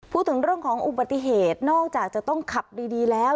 พูดถึงเรื่องของอุบัติเหตุนอกจากจะต้องขับดีแล้ว